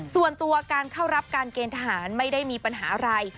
ส่วนตัวการเข้ารับการเกณฑ์ทหารไม่ได้มีปัญหาอะไร